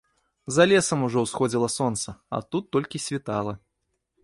За лесам ужо ўсходзіла сонца, а тут толькі світала.